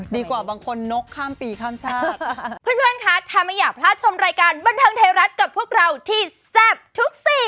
ดีกว่าบางคนนกก็สดข้ามปีข้ามชาติ